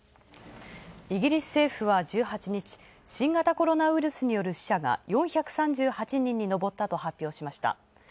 イギリス政府は１８日、新型コロナウイルスによる死者が４３８人に上ったと発表しました。